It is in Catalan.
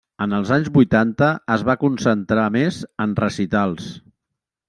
En els anys vuitanta, es va concentrar més en recitals.